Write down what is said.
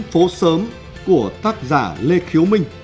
phố sớm của tác giả lê khiếu minh